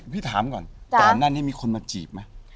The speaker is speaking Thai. พี่ถามก่อนก่อนหน้านี้มีคนมาจีบไหม